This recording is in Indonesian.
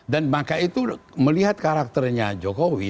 dan maka itu melihat karakternya jokowi